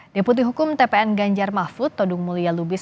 deputi hukum tpn ganjar mahfud todung mulia lubis